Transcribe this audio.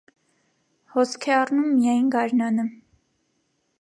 Հոսք է առնում միայն գարնանը։